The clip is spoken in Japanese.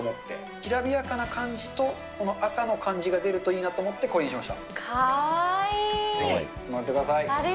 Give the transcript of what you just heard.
きらびやかな感じと、この赤の感じが出るといいなと思ってこれにしました。